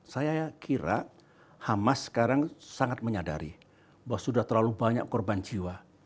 saya kira hamas sekarang sangat menyadari bahwa sudah terlalu banyak korban jiwa